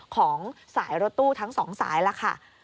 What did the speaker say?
ของสายรถตู้ทั้งสองสายแล้วค่ะ